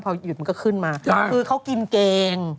พอหยุดมันก็ขึ้นมาคือเขากินแกง